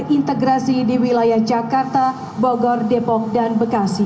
terintegrasi di wilayah jakarta bogor depok dan bekasi